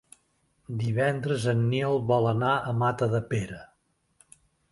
Divendres en Nil vol anar a Matadepera.